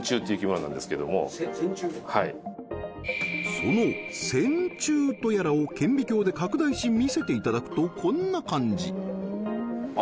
その線虫とやらを顕微鏡で拡大し見せていただくとこんな感じあ